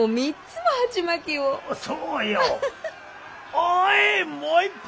おいもう一本！